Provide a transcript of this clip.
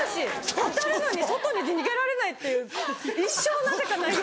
当たるのに外に逃げられないっていう一生なぜか内野に。